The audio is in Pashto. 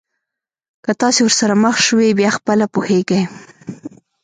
که تاسي ورسره مخ شوی بیا خپله پوهېږئ.